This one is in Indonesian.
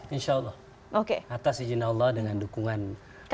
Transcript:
insya allah atas izin allah dengan dukungan